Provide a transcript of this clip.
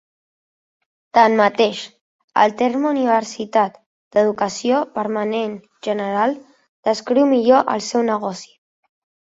Tanmateix, el terme universitat d'"educació permanent general" descriu millor el seu negoci.